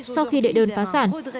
sau khi đệ đơn phá sản